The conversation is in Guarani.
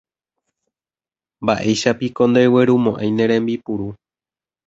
Mba'éichapiko ndereguerumo'ãi ne rembipuru.